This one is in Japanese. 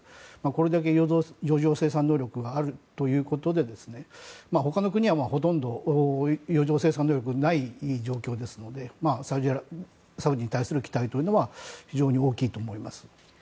これだけ余剰生産能力があるということで他の国はほとんど余剰生産能力がない状況ですのでサウジに対する期待というのは非常に大きいと思います。